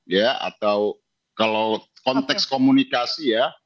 ya atau kalau konteks komunikasi ya